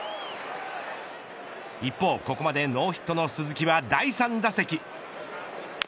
一方、ここまでノーヒットの鈴木は第３打席。